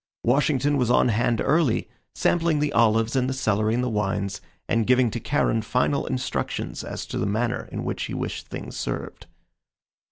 Washington was on hand early, sampling the olives and the celery and the wines, and giving to Charon final instructions as to the manner in which he wished things served.